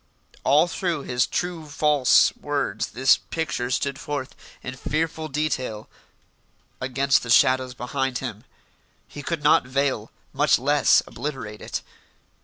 All through his true false words this picture stood forth in fearful detail against the shadows behind him. He could not veil, much less obliterate, it.